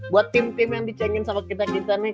buat tim tim yang dicengin sama kita kita nih